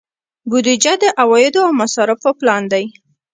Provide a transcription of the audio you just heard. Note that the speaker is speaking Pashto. بودجه د عوایدو او مصارفو پلان دی